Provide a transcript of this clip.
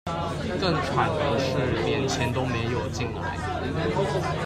更慘的是連錢都沒有進來